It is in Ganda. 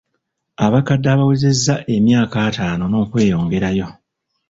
Abakadde abawezezza emyaka ataano n'okweyongerayo.